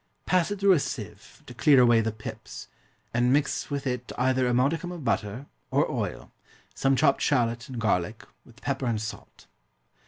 Pass it through a sieve, to clear away the pips, and mix with it either a modicum of butter, or oil, some chopped shalot and garlic, with pepper and salt.